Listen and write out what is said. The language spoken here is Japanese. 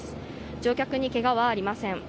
乗客にけがはありません。